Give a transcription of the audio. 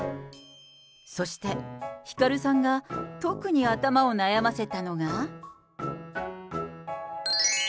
そして、ひかるさんが特に頭を悩ませたのが。